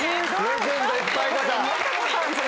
レジェンドいっぱい出た。